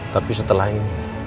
tapi setelah ini